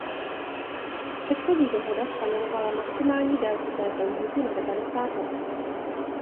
Předchozí dohoda stanovovala maximální délku této lhůty na devadesát let.